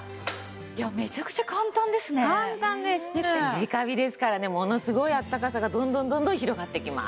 直火ですからねものすごいあったかさがどんどんどんどん広がってきます。